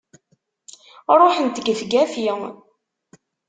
Ruḥent gefgafi!